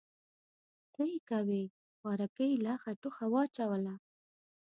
_څه يې کوې، خوارکی يې له اخه ټوخه واچوله.